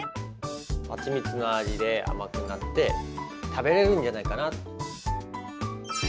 はちみつの味であまくなって食べれるんじゃないかなと。